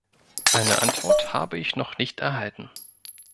Eine Antwort habe ich noch nicht erhalten.